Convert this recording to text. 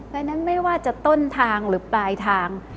ดังนั้นไม่ว่าจะต้นทางหรือปลายทาง